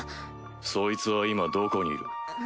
そいつは今どこにいる？